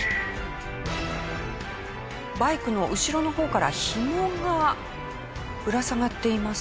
バイクの後ろの方から紐がぶら下がっています。